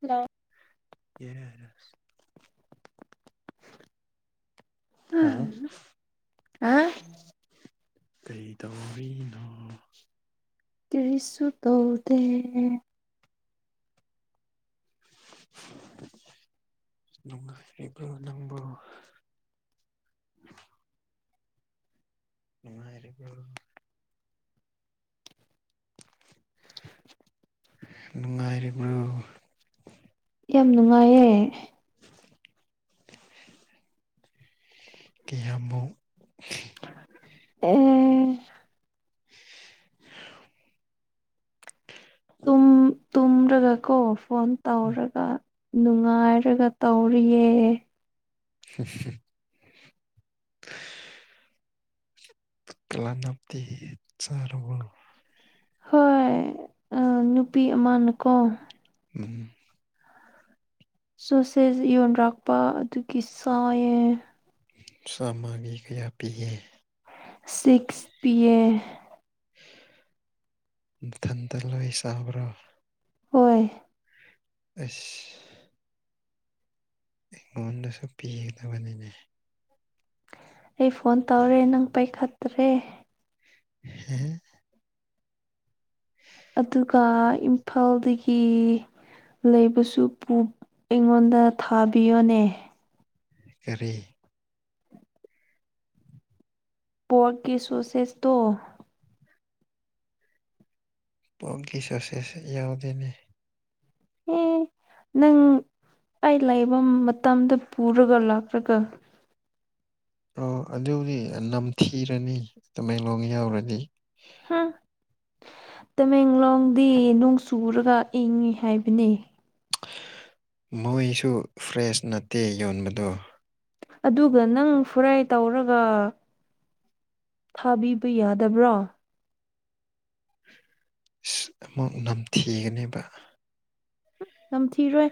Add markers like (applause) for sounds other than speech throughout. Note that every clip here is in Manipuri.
ꯍꯂꯣ ꯌꯥꯁ ꯑ ꯑ ꯀꯩ ꯇꯧꯔꯤꯅꯣ ꯀꯔꯤꯁꯨ ꯇꯧꯗꯦ ꯅꯨꯡꯥꯏꯕ ꯅꯪꯕꯣ ꯅꯨꯡꯉꯥꯏꯔꯔꯤꯕ ꯅꯨꯡꯉꯥꯏꯔꯤꯕ꯭ꯔꯣ ꯌꯥꯝ ꯅꯨꯡꯉꯥꯏꯌꯦ ꯀꯌꯥꯝꯕꯨ ꯑꯦ (inaudible) ꯇꯨꯡ ꯇꯨꯝꯨꯝ꯭ꯔꯒ ꯀꯣ ꯐꯣꯟ ꯇꯧꯔꯒ ꯅꯨꯡꯉꯥꯏꯔꯒ ꯇꯧꯔꯤꯌꯦ ꯎ ꯀꯂ ꯅꯗꯤ ꯆꯔ ꯍꯣꯏ ꯑ ꯅꯨꯄꯤ ꯑꯃꯅꯀꯣ ꯎꯝ ꯁꯣꯁꯦꯁ ꯌꯣꯟꯔꯛꯥꯛꯄ ꯑꯗꯨꯒꯤ ꯁꯥꯏꯦ ꯁꯥꯃꯕꯤ ꯀꯌꯥ ꯄꯤꯒ ꯁꯤꯛꯁ ꯄ ꯑꯦ ꯃꯊꯟꯇ ꯂꯣꯏ ꯁꯕ꯭ꯔꯥ ꯍꯣꯏ ꯑꯁ ꯑꯩꯉꯣꯟꯗꯁꯨ ꯄꯤꯒꯗꯕꯅꯤꯅꯦ ꯑꯩ ꯐꯣꯟ ꯇꯧꯔꯦ ꯅꯪ ꯄꯥꯏꯈꯠꯇ꯭ꯔꯦ ꯍꯝ ꯍꯤ ꯂꯩꯕꯁꯨ ꯑꯩꯉꯣꯟꯗ ꯊꯥꯕꯤꯌꯣꯅꯦ ꯀꯔꯤ ꯄꯣꯔꯒꯀꯤ ꯁꯣꯁꯦꯁ ꯇꯣ ꯄꯒꯤ ꯆꯁꯦꯁꯦ ꯌꯥꯎꯗꯦꯅꯦ ꯑꯦ ꯅꯪ ꯑꯩ ꯂꯥꯛꯏꯕ ꯃꯇꯝꯗ ꯄꯨꯔꯒ ꯂꯥꯛ꯭ꯔꯒ ꯑꯣ ꯑꯗꯨꯕꯨꯗꯤ ꯅꯝꯊꯤꯔꯅꯤ ꯇꯃꯦꯡꯂꯣꯡ ꯌꯥꯎꯔꯗꯤ ꯍꯝ ꯇꯃꯦꯡꯂꯣꯡꯗꯤ ꯅꯣꯡ ꯆꯨꯔꯒ ꯏꯪꯏꯤ ꯍꯥꯏꯕꯅꯤ ꯃꯣꯏꯁꯨ ꯐ꯭ꯔꯦꯁ ꯅꯠꯇꯦ ꯌꯣꯟꯕꯗꯣ ꯑꯗꯨꯒ ꯅꯪ ꯐꯔꯥꯏ ꯇꯧꯔꯒ ꯊꯥꯕꯤꯕ ꯌꯥꯗꯕ꯭ꯔꯣ ꯑꯃꯨꯛ ꯅꯝꯊꯤꯒꯅꯦꯕ ꯅꯝꯊꯤꯔꯣꯏ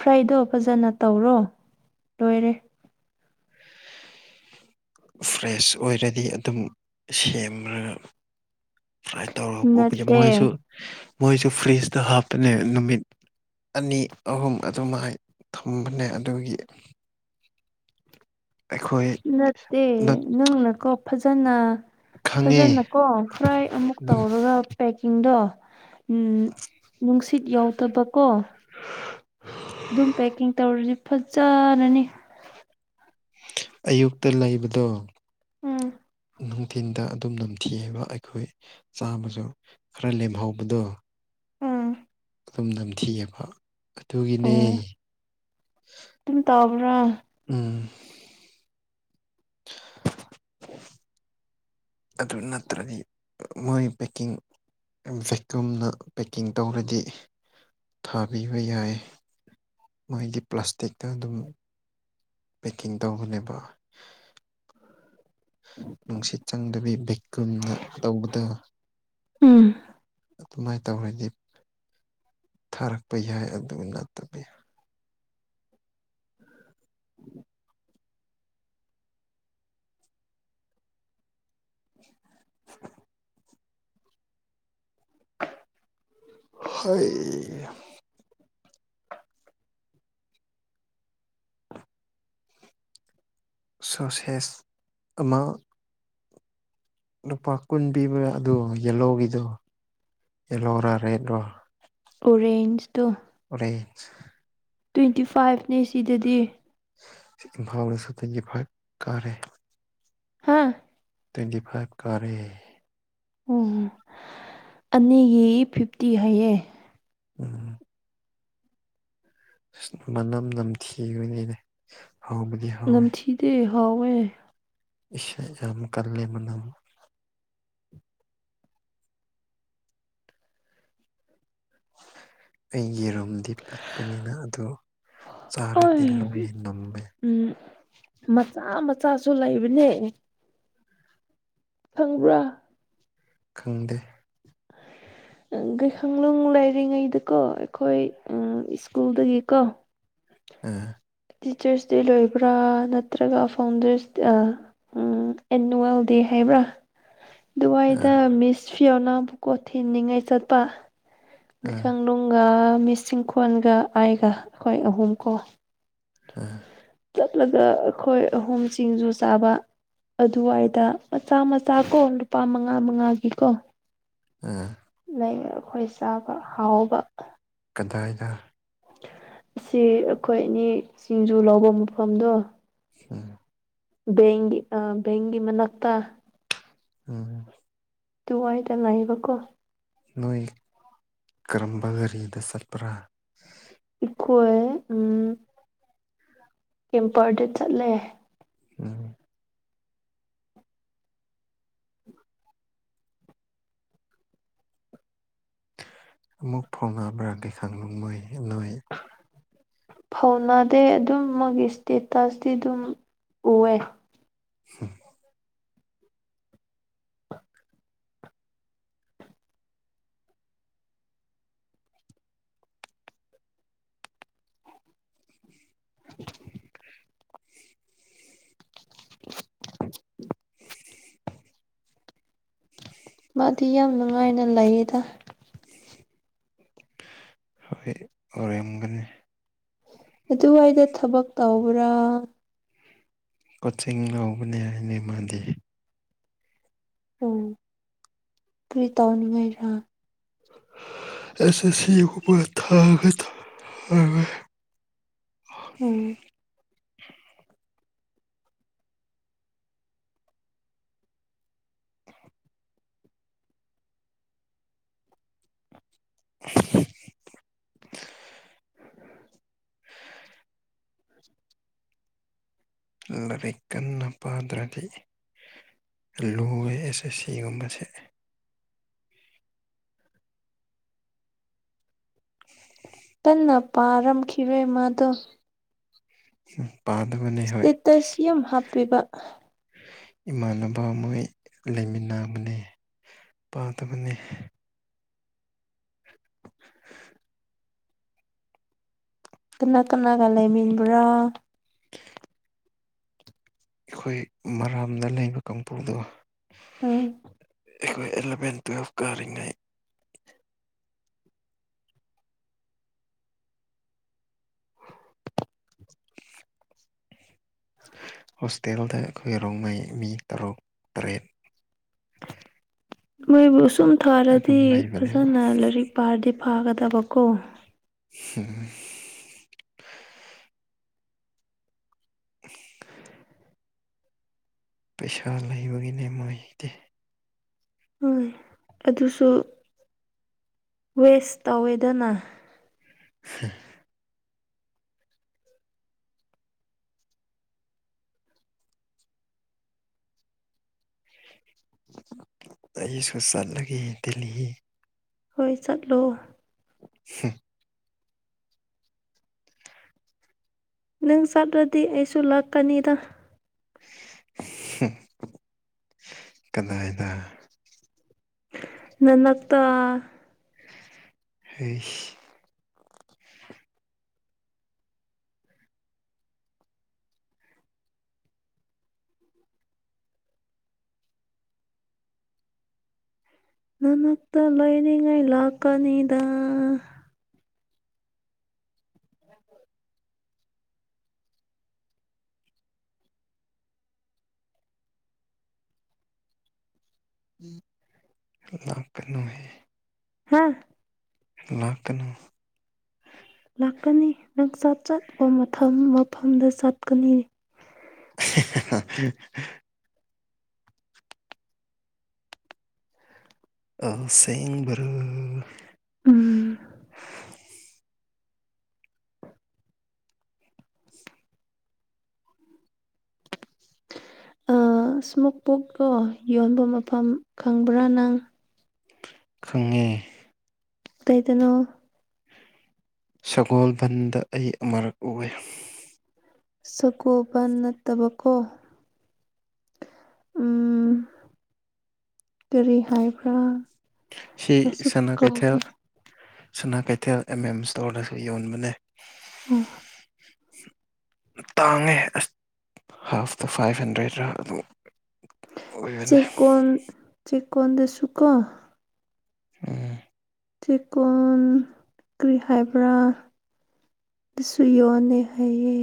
ꯐ꯭ꯔꯥꯏꯗꯣ ꯐꯖꯅ ꯇꯧꯔꯣ ꯂꯣꯏꯔꯦ ꯐ꯭ꯔꯦꯁ ꯑꯣꯏꯔꯗꯤ ꯑꯗꯨꯝ ꯁꯦꯝꯒ ꯐ꯭ꯔꯥꯏ ꯇꯧꯔꯒ ꯎꯄꯁꯦ ꯅꯠꯇꯦ ꯃꯣꯏꯁꯨ ꯃꯣꯏꯁꯨ ꯐ꯭ꯔꯤꯖꯇ ꯍꯥꯞꯄꯅꯦ ꯅꯨꯃꯤꯠ ꯑꯅꯤ ꯑꯍꯨꯝ ꯑꯗꯨꯃꯥꯏꯅ ꯊꯝꯕꯅꯦ ꯑꯗꯨꯒꯤ ꯑꯩꯈꯣꯏꯅ ꯅꯠꯇꯦ ꯅꯪꯅꯀꯣ ꯐꯖ ꯆꯅ ꯈꯪꯉꯦ ꯐꯖꯅ ꯀꯣ ꯐ꯭ꯔꯥꯏ ꯑꯃꯨꯛ ꯇꯧꯔꯒ ꯄꯦꯛ ꯄꯦꯛꯀꯤꯡꯗꯣ ꯅꯨꯡꯁꯤꯠ ꯌꯥꯎꯗꯕꯀꯣ ꯑꯗꯨꯝ ꯄꯦꯛꯀꯤꯡ ꯇꯧꯔꯁ ꯐꯖꯅꯅꯤ ꯑꯌꯨꯛꯇ ꯂꯩꯕꯗꯣ ꯎꯝ ꯅꯨꯡꯊꯤꯟꯗ ꯑꯗꯨꯝ ꯅꯝꯊꯤꯑꯕ ꯑꯩꯈꯣꯏ ꯆꯥꯕꯁꯨ ꯈꯔ ꯂꯦꯝꯍꯧꯕꯗꯣ ꯎꯝ ꯑꯗꯨꯝ ꯅꯝꯊꯤꯑꯕ ꯑꯗꯨꯒꯤꯅꯦ ꯑꯣ ꯑꯣꯣꯔꯣꯡ ꯎꯝ ꯑꯗꯨ ꯅꯠꯇ꯭ꯔꯗꯤ ꯃꯣꯏ ꯄꯦꯛꯀꯤꯡ ꯚꯦꯛꯀꯨꯝꯅ ꯄꯦꯛꯀꯤꯡ ꯇꯧꯔꯗꯤ ꯊꯥꯕꯤꯕ ꯌꯥꯏ ꯃꯣꯏꯒꯤ ꯄ꯭ꯂꯥꯁꯇꯤꯛꯇ ꯑꯗꯨꯝ ꯄꯦꯛꯀꯤꯡ ꯇꯧꯕꯅꯦꯕ ꯅꯨꯡꯁꯤꯠ ꯆꯪꯗꯕꯤ ꯚꯤꯀꯨꯝꯅ ꯇꯧꯕꯗ ꯎꯝ ꯑꯗꯨꯃꯥꯏꯅ ꯇꯧꯔꯗꯤ ꯊꯥꯔꯛꯄ ꯌꯥꯏ ꯑꯗꯨ ꯅꯠꯇꯕꯤ (unintelligible) ꯍꯩ ꯑ ꯁꯨ ꯑꯦꯁ ꯑꯃꯥ ꯂꯨꯄꯥ ꯀꯨꯟ ꯄꯤꯕꯥ ꯑꯗꯣ ꯌꯦꯂꯣꯒꯤꯗꯣ ꯌꯦꯂꯣꯣꯔꯥ ꯔꯦꯗꯔꯣ ꯑꯣꯔꯦꯟꯖꯇꯣ ꯍ ꯇ꯭ꯋꯦꯟꯇꯤ ꯐꯥꯏꯚꯅꯦ ꯁꯤꯗꯗꯤ ꯁꯤꯐꯥꯎꯅꯁꯨꯇꯒꯤ ꯐ ꯀꯥꯔꯦ ꯍꯥꯥ ꯇ꯭ꯋꯦꯟꯇꯤ ꯐꯥꯏꯚ ꯀꯥꯔꯦ ꯎꯝ ꯑꯅꯤꯒꯤ ꯐꯤꯐꯇꯤ ꯍꯥꯏꯌꯦ ꯎꯝ ꯃꯅꯝ ꯅꯝꯊꯤꯈꯣꯏꯅ ꯑꯩꯅ ꯍꯥꯎꯕꯗꯤ ꯍꯥꯎꯋꯦ ꯊꯋꯦ ꯏ ꯌꯥꯝꯝ ꯀꯂꯦ ꯃꯅꯝ ꯑꯩꯒꯤ ꯔꯨꯝꯗꯤ ꯄꯤꯛꯄꯅꯤꯅ ꯑꯣ ꯑꯣꯏ ꯆꯔꯦꯗꯤꯜꯂꯣꯏ ꯅꯝꯃꯦ ꯎꯝ ꯃꯆꯥ ꯃꯆꯥꯁꯨ ꯂꯩꯕꯅꯦ ꯐꯪꯕ꯭ꯔꯥ ꯈꯪꯗꯦ ꯩꯈꯅꯨꯡ ꯂꯩꯔꯤꯉꯩꯗꯀꯣ ꯑꯩꯈꯣꯏ ꯁ꯭ꯀꯨꯜꯗꯒꯤꯀꯣ ꯎꯝ ꯇꯤꯆꯔꯁ ꯗꯦ ꯂꯣꯏꯕ꯭ꯔꯥ ꯅꯠꯇ꯭ꯔꯒ ꯐꯥꯎꯟꯗꯔꯁ ꯑꯦꯅꯨꯋꯦꯜ ꯗꯦ ꯍꯥꯏꯕ꯭ꯔꯥ ꯑꯥ ꯑꯗꯨꯋꯥꯏꯗ ꯃꯤꯁ ꯐꯤ ꯑꯣꯅ ꯕꯨꯀꯣ ꯊꯤꯟꯅꯤꯡꯉꯥꯏ ꯆꯠꯄ ꯑꯥ ꯃꯈꯪ ꯣꯡꯒ ꯂꯤꯁꯤꯡ ꯀꯜꯒ ꯑꯥꯏꯒ ꯑꯩꯈꯣꯏ ꯑꯍꯨꯝ ꯀꯣ ꯑ ꯆꯠꯂꯒ ꯑꯩꯈꯣꯏ ꯑꯍꯨꯝ ꯁꯤꯡꯖꯨ ꯆꯥꯕ ꯑꯗꯨꯋꯥꯏꯗ ꯃꯆꯥ ꯃꯆꯥ ꯀꯣ ꯂꯨꯄꯥ ꯃꯉꯥ ꯃꯉꯥꯒꯤꯀꯣ ꯎꯝ ꯂꯩꯕ ꯑꯩꯈꯣꯏ ꯆꯥꯕ ꯍꯥꯎꯕ ꯑꯗꯨꯗꯥꯏꯗ ꯑꯁꯤ ꯑꯩꯈꯣꯏ ꯑꯅꯤ ꯁꯤꯡꯖꯨ ꯂꯧꯕ ꯃꯐꯝꯗꯣ ꯑ ꯕꯒꯤꯤ ꯑ ꯕꯒꯤꯤ ꯃꯅ ꯑꯠꯇ ꯎꯝ ꯑꯗꯨꯋꯥꯏꯗ ꯉꯕꯀꯣ ꯅꯣꯏ ꯀꯔꯝꯕ ꯒꯥꯔꯤꯗ ꯆꯠꯄ꯭ꯔꯥ ꯑꯩꯣꯏꯦ ꯎꯝ ꯀꯦꯝꯄꯔꯗ ꯆꯠꯂꯦ ꯎꯝ ꯑꯃꯨꯛ ꯐꯣꯡꯉꯕ꯭ꯔꯥꯗꯤ ꯈꯪꯨ ꯃꯣꯏ ꯅꯣꯏ ꯐꯧꯅꯗꯦ ꯑꯗꯨꯝ ꯃꯣꯏꯒꯤ ꯏꯁꯇꯦꯇꯁꯇꯤ ꯑꯗꯨꯝ ꯎꯑꯦ ꯎꯝ (inaudible) ꯃꯥꯗꯤ ꯌꯥꯝ ꯅꯨꯡꯉꯥꯏꯅ ꯂꯩꯌꯦꯗ ꯍꯣꯏ ꯑꯣꯏꯔꯝꯒꯅꯤ ꯑꯗꯨꯋꯥꯏꯗ ꯊꯕꯛ ꯇꯧꯕ꯭ꯔꯥ ꯀꯣꯆꯤꯡ ꯂꯧꯕꯅꯤ ꯍꯥꯏꯅꯤ ꯃꯥꯗꯤ ꯎ ꯀꯔꯤ ꯇꯧꯅꯤꯡꯉꯥꯏꯔꯥ ꯑꯦꯁ ꯑꯦ ꯁꯤꯄꯔ ꯊꯥꯒꯠꯒ ꯎꯝ (inaudible) ꯂꯥꯏꯔꯤꯛ ꯀꯟꯅ ꯄꯥꯗ꯭ꯔꯗꯤ ꯂꯨꯋ ꯑꯦꯁ ꯑꯦꯁ ꯁꯤꯒꯨꯝꯕꯁꯦ ꯇꯟꯅ ꯄꯥꯔꯝꯈꯤꯔꯣꯏ ꯃꯥꯗꯣ ꯑ ꯏꯁꯇꯦꯇꯁꯤꯌꯝ ꯍꯥꯞꯄꯤꯕ ꯏꯃꯥꯟꯅꯕ ꯃꯣꯏ ꯂꯩꯃꯤꯟꯅꯕꯅꯤ ꯄꯥꯗꯕꯅꯤ (inaudible) ꯀꯅꯥ ꯀꯅꯥꯒ ꯂꯩ ꯃꯤꯟꯕ꯭ꯔꯥ ꯑꯩꯈꯣꯏ ꯃꯔꯥꯝꯗ ꯂꯩꯕ ꯀꯥꯡꯄꯨꯗꯣ ꯑꯝ ꯑꯩꯈꯣꯏ ꯑꯦꯂꯚꯦꯟ ꯇꯨꯌꯦꯦꯜꯐ ꯀꯥꯔꯤꯉꯩ (inaudible) (inaudible) ꯍꯣꯇꯦꯜꯗ ꯑꯩꯈꯣꯏ ꯑꯔꯣꯡꯉꯩ ꯃꯤ ꯇꯔꯨꯛ ꯇꯔꯦꯠ ꯃꯣꯏꯕꯨꯁ ꯁꯨꯝ ꯊꯥꯔꯗꯤ ꯑꯗꯨꯝ ꯂꯩꯕꯅꯦꯕ ꯐꯖꯅ ꯂꯥꯏꯔꯤꯛ ꯄꯥꯔꯗꯤ ꯄꯥꯒꯗꯕꯀꯣ ꯎꯝ ꯄꯩꯁꯥ ꯂꯩꯕꯒꯤꯅꯦ ꯃꯇꯦ ꯍꯣꯏ ꯑꯗꯨꯁꯨ ꯋꯦꯁ ꯇꯧꯋꯦꯗꯅ (inaudible) ꯑꯩꯏꯁꯨ ꯆꯠꯂꯒꯦ ꯗ ꯍꯣꯏ ꯆꯠꯂꯣ ꯍꯝ ꯅꯪ ꯆꯠꯂꯗꯤ ꯑꯩꯁꯨ ꯂꯥꯛꯀꯅꯤꯗ ꯀꯗꯥꯏꯗ ꯅꯅꯛꯇ ꯍ ꯅꯅꯠꯇ ꯂꯥꯏꯅꯤꯡꯒꯥꯏ ꯂꯥꯛ ꯀꯅꯤꯗꯥ ꯎ ꯎꯝ ꯂ ꯀꯅꯨꯍꯦ ꯍꯥꯥ ꯂꯀꯅ ꯂꯥꯛꯀꯅꯤ ꯅꯪ ꯆꯠ ꯆꯠꯄ ꯃꯐꯝꯗ ꯆꯠꯀꯅꯤ (inaudible) ꯁꯦꯡꯚꯔ ꯎꯝ ꯏꯁꯃꯨꯣꯛ ꯕꯨꯛꯇꯣ ꯌꯣꯟꯕ ꯃꯐꯝ ꯈꯪꯕ꯭ꯔꯥ ꯅꯪ ꯈꯪꯉꯦ ꯀꯩꯗꯅꯣ ꯁꯒꯣꯜꯕꯟꯗ ꯑꯩ ꯑꯃꯔꯛ ꯎ ꯁꯒꯣꯕ ꯅꯠꯇꯕꯀꯣ ꯎꯝ ꯀꯔꯔꯤ ꯍꯥꯏ ꯐ ꯁꯤ ꯁꯅꯥ ꯀꯩꯊꯦꯜ ꯁꯅꯥ ꯀꯩꯊꯦꯜ ꯑꯦꯝ ꯑꯦꯝ ꯏꯁꯇꯣꯔꯗꯁꯨ ꯌꯣꯟꯕꯅꯦ ꯑ ꯇꯥꯡꯉꯦ ꯑꯁ ꯍꯥꯐꯇ ꯐꯥꯏꯚ ꯍꯟꯗ꯭ꯔꯦꯗ꯭ꯔꯥ ꯑꯗꯨ ꯆꯀꯣꯟ ꯀꯗꯁꯨ ꯀ ꯎꯝ ꯆꯦꯛꯀꯣꯟ ꯀ꯭ꯔꯤ ꯍꯥꯏꯕ꯭ꯔꯥ ꯑꯗꯨꯁꯨ ꯌꯣꯟꯅꯤ ꯍꯩꯌꯦ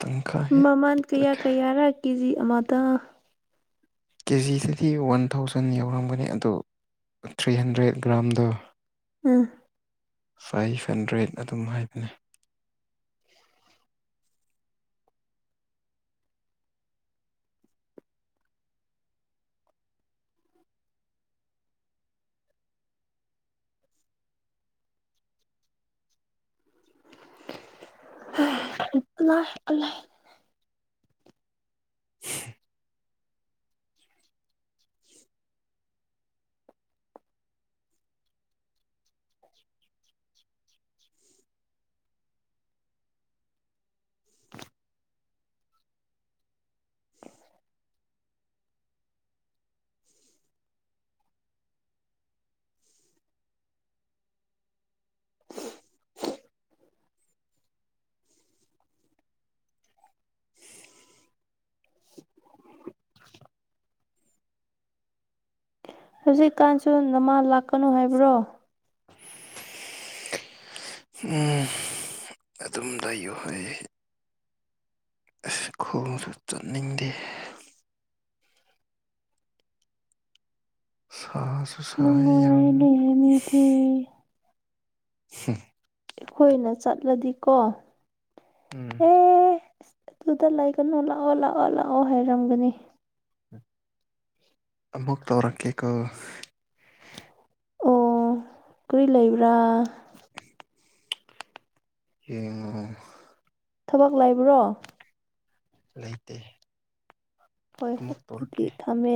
ꯇꯪꯈꯥꯏ ꯃꯃꯥꯟ ꯀꯌꯥ ꯀꯌꯥ ꯔꯥꯀꯤꯖꯤ ꯃꯗ ꯀꯦꯖꯤꯗꯗꯤ ꯋꯥꯟ ꯊꯥꯎꯖꯟ ꯌꯥꯎꯔꯝꯒꯅꯤ ꯑꯗꯣ ꯊ꯭ꯔꯤ ꯍꯟꯗ꯭ꯔꯦꯠ ꯒ꯭ꯔꯥꯝꯗꯣ ꯎꯝ ꯐꯥꯏꯚ ꯍꯟꯗ꯭ꯔꯦꯠ ꯑꯗꯨꯝ ꯍꯥꯏꯕꯅꯦ (inaudible) (inaudible) ꯍꯧꯖꯤꯛꯀꯥꯟꯁꯨ ꯅꯃꯥ ꯂꯥꯛꯀꯅꯨ ꯍꯥꯏꯕ꯭ꯔꯣ ꯎꯝ ꯑꯗꯨꯝ ꯂꯩꯌꯨ ꯍꯥꯏꯌꯦ ꯑꯁ ꯈꯣꯡꯁꯨ ꯆꯠꯅꯤꯡꯗꯦ ꯑꯩꯁꯨ ꯁꯩ ꯌꯦꯡꯉ ꯃꯤ ꯊꯤ ꯑꯩꯈꯣꯏꯅ ꯆꯠꯂꯗꯤꯀꯣ ꯎꯝ ꯑꯦꯁ ꯑꯗꯨꯗ ꯂꯩꯒꯅꯨ ꯂꯥꯛꯑꯣ ꯂꯥꯛꯑꯣ ꯂꯥꯛꯑꯣ ꯍꯥꯏꯔꯝꯒꯅꯤ ꯃꯨꯛ ꯇꯧꯔꯛ ꯀ ꯀꯥ ꯑꯣ ꯀꯏ ꯂꯩꯕ꯭ꯔꯥ ꯌꯦꯡꯉꯣ ꯊꯕꯛ ꯂꯩꯕ꯭ꯔꯣ ꯂꯩꯇꯦ ꯍꯣꯏ ꯍꯣꯏ ꯑꯃꯨꯛ ꯇꯧꯔꯛꯀꯦ ꯑꯗꯨꯗꯤ ꯊꯝꯃꯦ